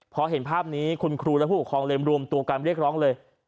พอเห็นภาพนี้คุณครูและผู้ปกครองเลยรวมตัวกันเรียกร้องเลย